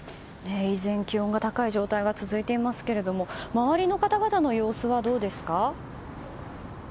依然、気温が高い状態が続いていますが周りの方々の様子はどうですか？